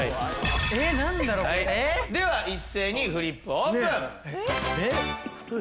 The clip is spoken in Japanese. では一斉にフリップオープン！